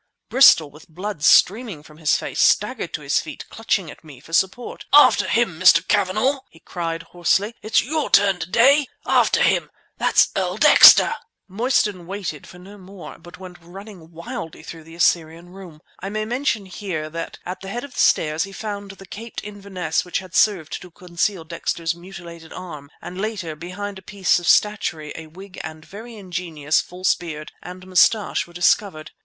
Bristol, with blood streaming from his face, staggered to his feet, clutching at me for support. "After him, Mr. Cavanagh!" he cried hoarsely. "It's your turn to day! After him! That's Earl Dexter!" Mostyn waited for no more, but went running quickly through the Assyrian Room. I may mention here that at the head of the stairs he found the caped Inverness which had served to conceal Dexter's mutilated arm, and later, behind a piece of statuary, a wig and a very ingenious false beard and moustache were discovered.